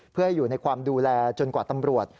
เพื่อให้อยู่ในความดูแลจนกว่าตำรวจ